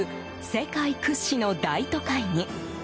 世界屈指の大都会に。